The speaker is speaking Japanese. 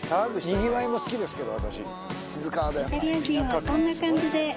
にぎわいも好きですけど